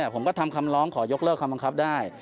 ผมก็ทำคำร้องขอยกเลิกคำบังคับได้